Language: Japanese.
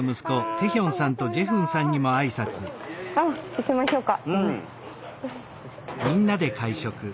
行きましょうか。